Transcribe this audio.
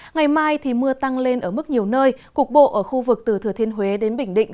ngày mai mưa tăng lên ở mức nhiều nơi cục bộ ở khu vực từ thừa thiên huế đến bình định